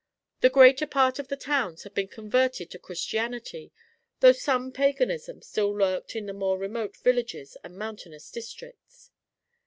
The greater part of the towns had been converted to Christianity, though some paganism still lurked in the more remote villages and mountainous districts.